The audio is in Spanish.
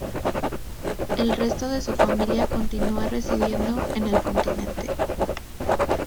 El resto de su familia continúa residiendo en el continente.